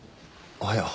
おはよう。